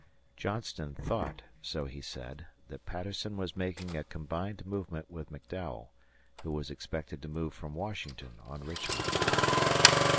Johnston thought, so he said, that Patterson was making a combined movement with McDowell, who was expected to move from Washington on Richmond.